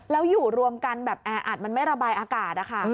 แล้วอยู่รวมกันแบบแออัดมันไม่ระบายอากาศนะคะ